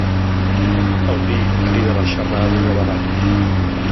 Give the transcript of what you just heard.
El vi crida la xarrada i la baralla.